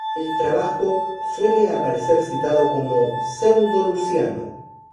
El trabajo suele aparecer citado como "Pseudo-Luciano".